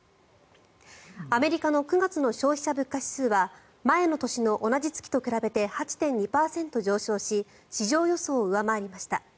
アメリカの９月の消費者物価指数は前の年の同じ月と比べて８．２％上昇し市場予想を上回りました。